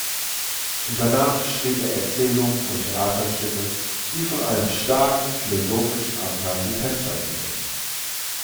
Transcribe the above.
Danach schrieb er Erzählungen und Theaterstücke, die von einem starken philosophischen Anteil gekennzeichnet sind.